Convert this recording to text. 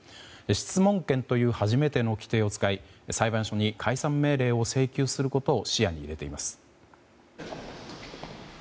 質問権という初めての規定を使い裁判所に解散命令を請求することを視野に入れています。